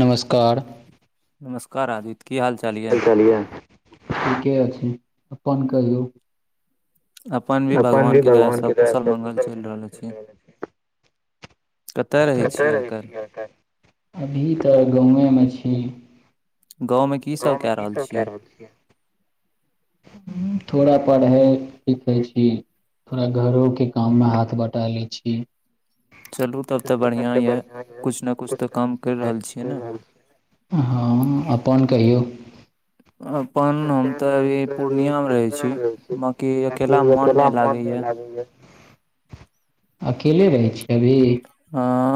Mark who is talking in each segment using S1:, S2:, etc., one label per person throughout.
S1: नमस्कार।
S2: नमस्कार आदित्य।
S1: [unintelligible] गेलिए, ठीके छै अपन कहियौ?
S2: अपन भी भगवान के दया से सब कुशल मंगल चैल रहल अछि।
S1: कतयऽ रहय छी आय-काएल? अभी तै गउवे मे छी।
S2: गाँव मे की सब कै रहल छियै।
S1: हुं थोड़ा पढ़य-लिखय छी। थोड़ा घरो के काम में हाथ बटाय लै छी। चलू तब तै बढ़िया यै किछ ने किछ तऽ कर रहल छीयै नै। हां अपन कहियौ।
S2: अपन हम तै ई पूर्णिया मे रहय छी बाँकी अकेला मे मोन नै लागय यै।
S1: अकेले रहय छियै अभी?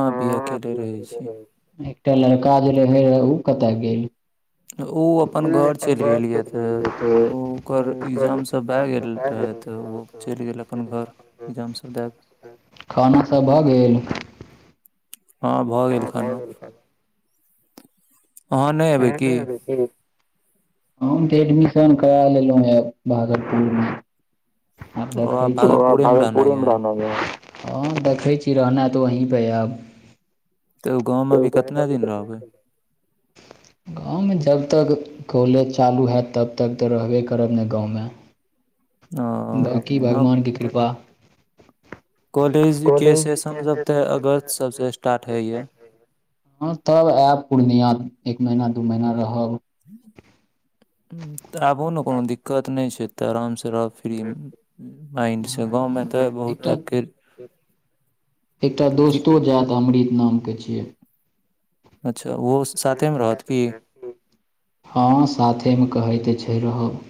S1: हां अभी अकेले रहय छीयै, एकटा लड़का जे रहय रहै उ कतय गेल।
S2: अ उ अपन घर चैल गेल यै से उ ओकर इग्जाम सब भै गेल रहय त उ चैल गेल अपन घर इग्जाम सब दै कै
S1: खाना सब भऽ गेल?
S2: हां भऽ गेल खाना
S1: इधर नै ऐबय की? हम तै एडमिशन कराए लेलौ यै भागलपुर मे। आब देखय छी ओ आब भागलपुरे मे रहनाय यै। हां देखय छी रहना तै वही पे यै आब। त उ पढ़य लै अभी कतय गेलय? गाँव मे जब तक कॉलेज चालू हैत तब तक तै रहबे करब नै गाँव मे। बाकी भगवान के कृपा
S2: कॉलेज के सेशन सब ते अगस्त सबसे स्टार्ट हय यै।
S1: हां तब आब पूर्णिया एक महीना, दू महीना रहब।
S2: ह उ तऽ आबू नै कोनो दिक्कत नै छै ऐत्ता आराम से रहब फ्री में। माइंड से गाँव में तै बहुत टाइप के
S1: एकटा दोस्तो जैत अमृत नाम के छियै।
S2: अच्छा उहो साथे मे रहत की?
S1: हां साथे मे कहै तै छै रहब।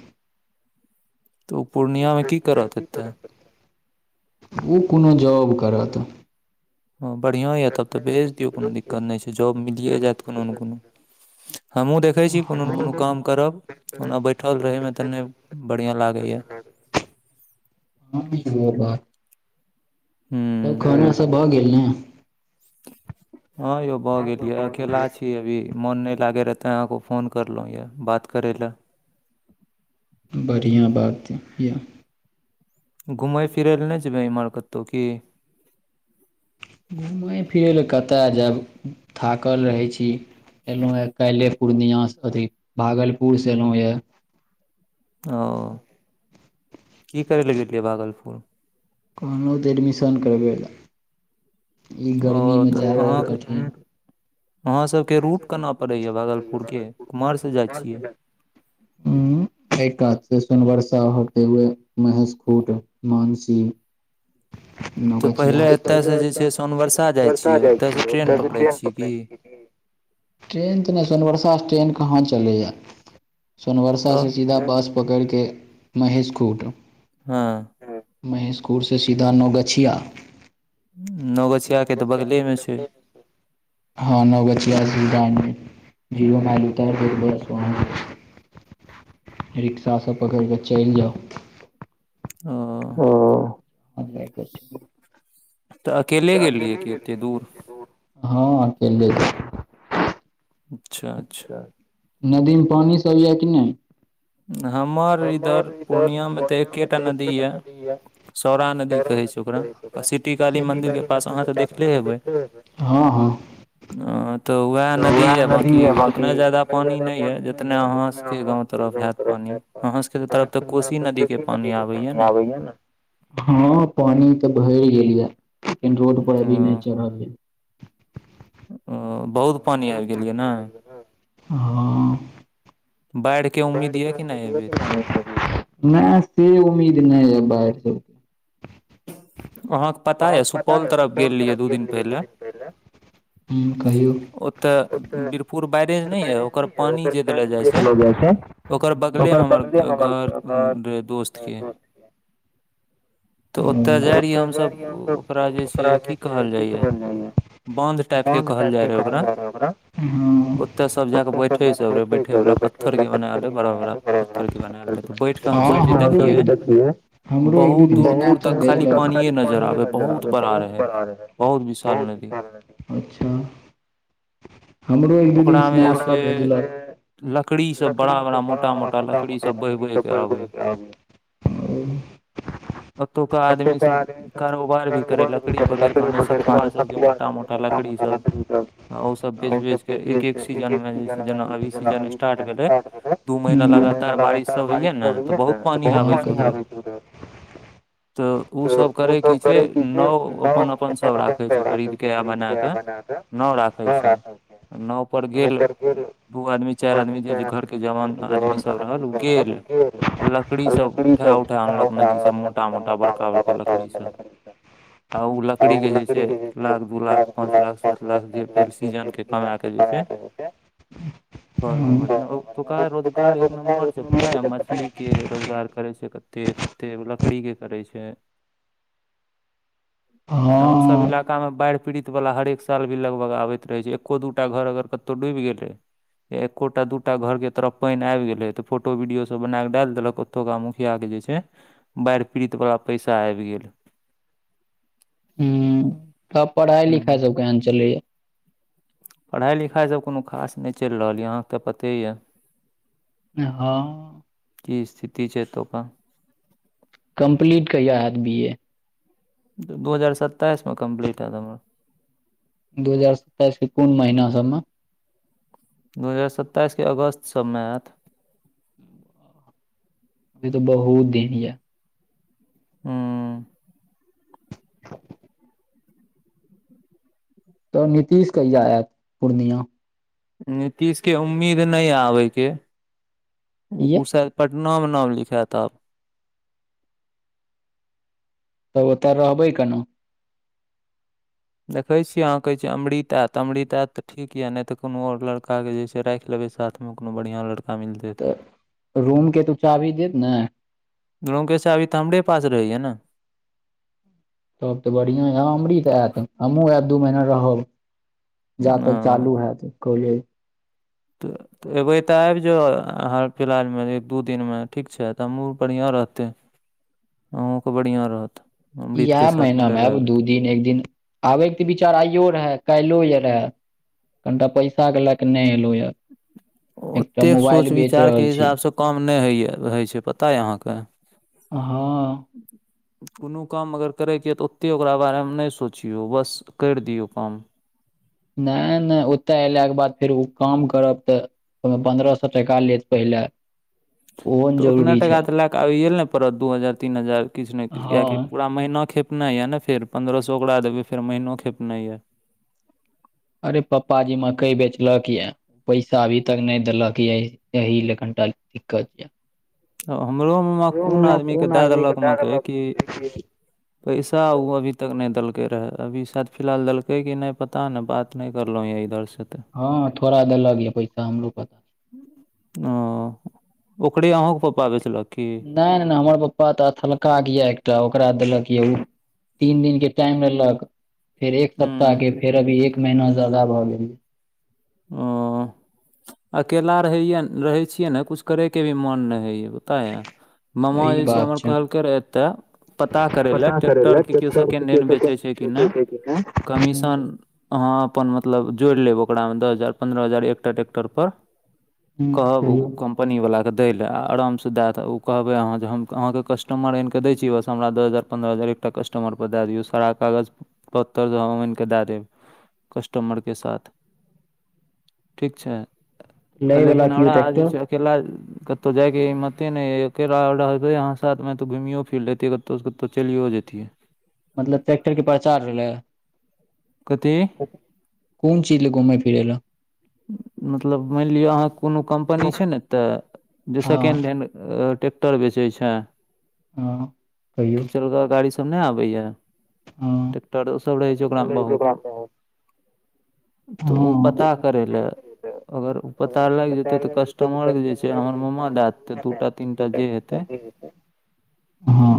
S2: तऽ उ पूर्णिया मे की करत एत्ता?
S1: उ कुनु जॉब करत।
S2: हां बढ़िया यै तब तै भेज दियौ कुनु दिक्कत नै छै, जॉब मिलिए जाएत कूनू नै कूनू। हम्हूँ देखय छी कुनू नै कुनू काम करब ओना बैठल रहय मे तै नै बढ़िया लागय यै।
S1: [unintelligible] तब खाना सब भऽ गेल नै?
S2: हां यौ भऽ गेल यै अकेला छी अभी। मोन नै लागै रहे तै अहाँके फोन करलहुॅं यऽ बात करै ले।
S1: बढ़िआँ बात ये।
S2: घुमय फिरै ले नै जेबय एम्हर कतहुँ की?
S1: घुमय फिरै ले कतऽ जैब थाकल रहै छी एलहुँ है काल्हिए। पूर्णिया सँ अथि भागलपुर से एलहुँ ये।
S2: ओ, की करै ले गेलियै भागलपुर।
S1: कहलहुँ तऽ एडमिशन करबै ले।
S2: ओ तऽ अहाँक अहाँ सब के रूट केना पड़ैए भागलपुरके कुम्हर सँ जाइ छियै।
S1: उ ऐ कात से सोनवर्षा होते हुए महेशखूट मानसी
S2: [inaudible] तऽ पहिले एतयसँ जे छै सोनबरसा जाइ छियै, ओतयसँ ट्रेन पकड़ै छियै कि
S1: ट्रेन तऽ नै सोनवरसा से ट्रेन कहां चलैये। सोनवरसा से सीधा बस पकड़ि के महेश खूट
S2: हँ
S1: महेशखूर सँ सीधा नोगछिआ
S2: नगछिआ के तऽ बगलेमे छै।
S1: हँ नोगछ जय श्रीराम जी, जीवना बितलकै बड सोहान रिक्शा सँ पकड़ कऽ चलि जाऊ।
S2: हां। तऽ अकेले गेल रहियै कि एते दूर।
S1: हँ अकेले गेल अच्छा नदी मे पानि सब येऽ कि नै। हमर इधर पूर्णिया मे तऽ एकेटा नदी यै सर नदी कहै छै ओकरा खेती बाड़ी नदी ऐब तऽ देखते हेबैय। हँ हँ।
S2: आं। तऽ वएह नदी यऽ बाँकी ओतना जादा पानी नहि यऽ जतना अहाँ सबके गाँव तरफ है। त पानी अहाँ सबके तरफ तऽ कोशी नदी के पानि आबैये ने।
S1: हँ पानी तऽ भरि गेल ये लेकिन रोड पर अभी नहि चढ़ल अछि।
S2: आ बहुत
S1: बहुतर् द ने [unintelligible] बाढ़ के उम्मीद हियो कि नै, नहि से उम्मीद नहि य बाढ़ के।
S2: अहाँके पता यऽ सुपौल तरफ गेल रहियै दू दिन पहिले ओतऽ वीरपुर बैरेज नहि ये ओकर पानी जे देल जाइ छै ओकर बगले मे हमर घर भेल दोस्त के तऽ ओतय जाइ रहियै हमसभ ओकरा जे छै की कहल जाइये बांध टाइप के कहल जाय रहे ओकरा, ओतऽ सब जाके बैठे सब रहे बैठे वाला प पत्थर के बनायल रहय बड़ा बड़ा पत्थर के बनायल रहे तऽ बैठके हमसस जे देखियै बहुत
S1: ह [inaudible] खाली पानिे नजर आबे बहुत बड़ा रहै बहुत विशाल नदी
S2: [inaudible]
S1: हमरो एक दू दिन सिना सब कऽ भेजलक लकड़ी सब बना बना मोटा मोटा लकड़ी सब बहि बहि के आबै। ओ। प लकड़ी पटा म ल [unintelligible] तन तऽ [unintelligible] हम सब कहै छलियै से, एक- एक सीजन में जेना अभि सीजन स्टार्ट भेलै। दू महीना लगातार बारिश सब होया ने, तऽ बहुत पानि आबै छै उधर।
S2: तऽ उ सब करे कि छै, नाव अपन-अ पन सब राखे छै, खरीद के या बना के, नाव राखे छै। नाव पर गेल। दू आदमी चारि आदमी जे- जे घरके जवान आदमी सब रहल उ गेल। आ लकड़ीसभ उठाए- उठाए अनलक नदीसभ मोटा- मोटा बड़का- बड़का लकड़ीसभ। [inaudible] आ उ लकड़ीके जे छै, लाख दू लाख पाँच लाख सात लाख जे भेल सीजनके कमााकऽ जे छै, [inaudible] घरमे बढ़िआँ तऽ रोजगार एक नम्बर छै, पता यऽ मछली के रोजगार करै छै, कत कते मतल [unintelligible] फ्री के करै छै, अहूं सब इलाका में बाढ़ि पीड़ित वला हरेक साल भी लगभग आबैत रहै छै, एको दूटा घर अगर कतौ डूबि गेलै एकोटा दूटा घर के तरफ पाइन आबि गेले तऽ फोटो वीडियो सब बना कऽ डाल देलक। ओतुका मुखिया के जे छै, बाढ़ि पीड़ित वलाा पैसा आबि गेलै।
S1: हूं तब पढ़ाई- लिखाई सब केना चलैया।
S2: पढ़ाई-लिखाई सभ कोनो खास नहि चलि रहल यए, अहाँके तऽ पते यए।
S1: हँ।
S2: की स्थिति छै एतुका।
S1: कम्प्लीट कहिआा हैत बी ए।
S2: दू हजार सत्ताइस में कम्प्लीट हैत हमर।
S1: दू हजार सत्ताइस के कोन महिना सबमें?
S2: दू हजार सत्ताइस के अगस्त सबमें हैत।
S1: ई तऽ बहुत दिन यऽ।
S2: हूं।
S1: तऽ नीतीश कहिया ऐत पूर्णिया।
S2: नीतीश के उम्मीद नहि या आबैके उ शायद पटना में नाम लिखैत आब।
S1: तब ओतऽ रहबै कना
S2: देखै छीयै अहाँ कहै छियै, अमृता आइत अमृता आइत तऽ ठीक यए, नहि तऽ कोनो आर लड़का के जे छै राखि लेबै साथ। कोनो-कोनो बढ़ियां लड़का मिलते
S1: रूम के तु चाभी देत ने
S2: रुम के चाभी तऽ हमरे पास रहैया ने
S1: तब तऽ बढ़िआं यऽ अमृत आयत हमहूँ आयब दू महीना रहब। जा तक चालू हैत काॅलेज।
S2: तऽ। एबे ते आबि जो हाल फिलहाल मे, एक दू दिन में ठीक छै, तऽ मू बढ़िया रहते। अहूॅंके बढ़िआं रहत
S1: इएह महीना मे आयब, दू दिन एक दिन आबेके तऽ विचार आइयो रहे कैलो यऽ रहै। कनिटा पैसा के लए कऽ नै एलहुँ यऽ, एकटा मोबाइल बेच रहल छी।
S2: कम नहि होइए, होइ छै पता अइ अहाँके
S1: अहां
S2: [inaudible] कोनो काम अगर करैके यऽ तऽ ओतेक ओकरा बारेमे नय सोचियौ बस कैर दियौ काम
S1: नय- नय, ओतय अयलाके बाद फेर ओ काम करब तऽ ओय मे पन्द्रह स टाका लेत पहिले
S2: तऽ उतने टका तऽ लए के आबयैले ने पड़त। दू हजार, तीन हजार किछु ने किछु किआकि पूरा महिना खेपनाय यै या ने फेर पंन्द्रह सए ओकरा देबै फेर महिनो खेपनाय यैऽ
S1: अरे पप्पा जी मकई बेचलक यै- पैसा अभी तक नय देलक यैऽ एहि लय कनिटा दिक्कत यऽ
S2: हमरो मुमा कोन आदमी के दए देलक मकइ, कि पैसा ओ अभी तक नय देलकै रहए अभी शायद फिलहाल देलकै कि नय पता ने बात नय करलहुँ यैऽ इधरसँ तऽ
S1: हँ थोड़ा देलगयैऽ पैसा, हम्मो पत्
S2: हं, ओ ओकरे अहुंक पप्पा बेचलक की?
S1: नय, नय -नय हम्मर पप्पा तऽअथलका गियैक त ओकरा देलक यैऽ ओ तीन दिन के टाइम लेलक, फेर एक सप्ताह के, फेर अभी एक महिना जादा भऽ गेल।
S2: हं अकेला रहैयै ने रहै छियै ने किछु करयके भी मोन नय होैययै, पताएऽ? मामा जे छै हम्मर कहलकै रैए एत्तय पता करय लए ट्रैक्टरके केओ सेकेड हैण्ड बेचै छै कि नय, कमीशन अहाँ अपन मतलब जोइड़ लेब, ओकरामे दस हजार, पन्द्रह हजार एकटा टेक्टर पर कह ओ कम् कम्पनीवलाके दै लए। अ -आरामसँ दएत ओ कहबै अहाँ जे हम अहाँके कस्टमर ऐइनकऽ दै छी, बस हमरा दस हजार पंन्द्रह हजार एकटा कस्टमर पर दै दिऔ सारा कागज, पत्तर, ज हम ऐन के दै देब कस्टमर के साथ, [inaudible] ठीक छै? लेकिन हमरा अहां जे छै अकेला कत्तौ जाइके हिम्मते नय अय यौ, एकरा रहबै अहाँ साथमे तऽ घुमियो फिर लैतियै कतौसँ कत्तौचैलियो जैतियैऽ।
S1: मतलब ट्रैक्टर के प्रचार रहले
S2: कथी?
S1: कोन चीजलै घुमै फिरै लैए?
S2: मतलब मैन लिअ अहाँके कोनो कम्पनी छै ने ऐत्तऽ? जे सेकेण्ड हैण्ड टेक्टर बेचय छै। खिचलका गाड़ी सब नर आबैयैऽ? टेक्टर उ सब रहै छै ओकरा मे बहुत तऽ उ पता करय लय, अगर उ पता लाइग जेतै तऽ कस्टमरके जे छै हम्मर हम्मरमा दैदेत्य दूटा, तीनटा जे हेतैय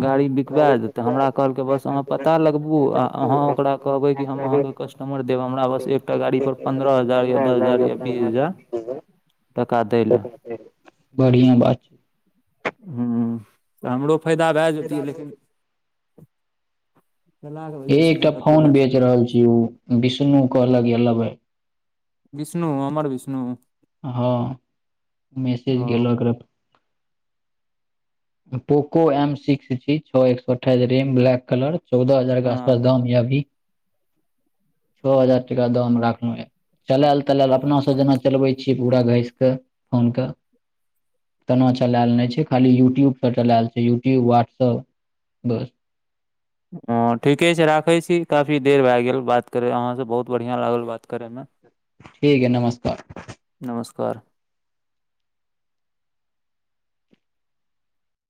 S2: गाड़ी बिकबैय देतयऽ, हमरा कहलकै बस अहाँ पता लगबू आ अहाँ ओकरा कहबै कि हम अहाँके कस्टमर देब, हमरा बस एक टा गाड़ी पर पंन्द्रह हजार या दस हजार या बीस हजार, टाका दय लय।
S1: बढ़ियां बात।
S2: हं, तऽ हमरो फायदा भए जेतीैयै, लेकिन
S1: एकटा फोन बेच रहल छी उ, विष्णु कहलक यै लेबय।
S2: विष्णु, अमर विष्णु?
S1: हँ, मैसेज केलक र पोको एम सिक्स थी छओ एक सए अठ्ठाइस रेम, ब्लैक कलर चौदह हजार के आसपास दाम यै अभी।
S2: [inaudible]
S1: छ हजार टका दाम राखलौं यै। चलैल तलैल अपनासब जेना चलबै छीयै पूरा घसिकऽ फोन के। तना चलैल नै छै खाली यूट्यूब सब चलैल छै यट्यूब, वाट्सअप बस।
S2: ओ ठीके छै राखै छी काफी देर भए गेल बात करय अहाँसे बहुत बढ़िआँ लागल बात करयमे। न
S1: ठीक अइ नमस्कार।
S2: नमस्कार